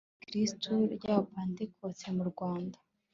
itorero gikirisitu ry abapantekoti mu rwanda